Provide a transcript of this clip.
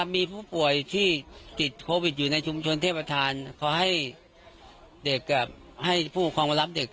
มีผู้ป่วยที่ติดโควิดอยู่ในชุมชนเทพอาทาน